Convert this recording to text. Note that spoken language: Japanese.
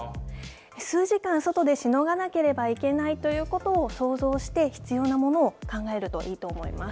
数時間外でしのがなければいけないということを想像して、必要なものを考えるといいと思います。